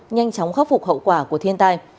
nhanh chóng khắc phục hậu quả của thiên tai